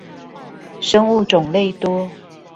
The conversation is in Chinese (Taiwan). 生物種類多